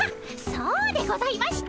そうでございました。